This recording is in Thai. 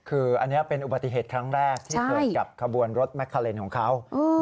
คืออันนี้เป็นอุบัติเหตุครั้งแรกที่เกิดกับขบวนรถแมคคาเลนของเขา